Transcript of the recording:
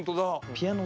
ピアノ